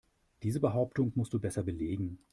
Diese Behauptung musst du besser belegen.